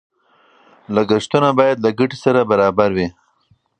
لګښتونه باید له ګټې سره برابر وي.